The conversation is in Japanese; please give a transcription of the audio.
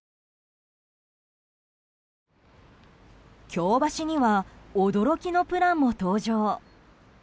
京橋には驚きのプランも登場。